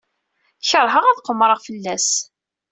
Keṛheɣ ad qemmreɣ fell-as.